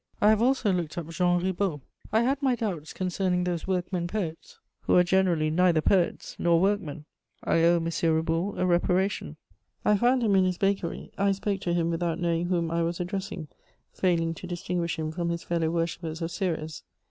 I have also looked up Jean Reboul. I had my doubts concerning those workmen poets, who are generally neither poets nor workmen: I owe M. Reboul a reparation. I found him in his bakery; I spoke to him without knowing whom I was addressing, failing to distinguish him from his fellow worshippers of Ceres.